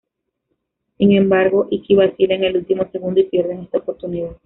Sin embargo, Ikki vacila en el último segundo y pierden esta oportunidad.